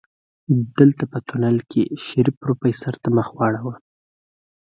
دلته په تونل کې شريف پروفيسر ته مخ واړوه.